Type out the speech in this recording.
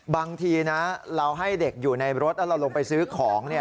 บางทีนะเราให้เด็กอยู่ในรถแล้วเราลงไปซื้อของ